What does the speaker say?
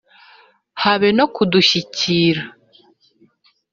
habe no kudushyikira.